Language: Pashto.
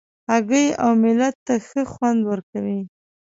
هګۍ اوملت ته ښه خوند ورکوي.